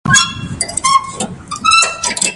وحشي حیوانات د افغانستان د طبیعت د ښکلا برخه ده.